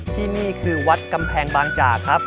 ที่นี่คือวัดกำแพงบางจากครับ